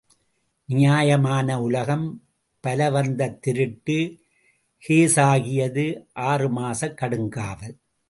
நியாயமான உலகம் பலவந்தத் திருட்டு கேஸாகியது, ஆறு மாசக் கடுங்காவல்.